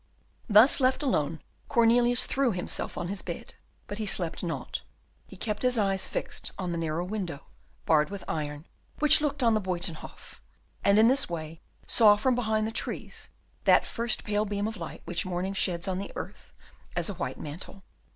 Thus left alone, Cornelius threw himself on his bed, but he slept not, he kept his eye fixed on the narrow window, barred with iron, which looked on the Buytenhof; and in this way saw from behind the trees that first pale beam of light which morning sheds on the earth as a white mantle.